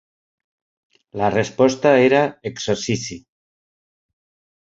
La resposta era "Exercici".